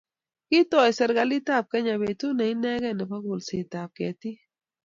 Kitoi serkalitab Kenya betut ne inegei nebo kolsetab ketik